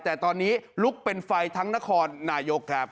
แต่ตอนนี้ลุกเป็นไฟทั้งนครนายกครับ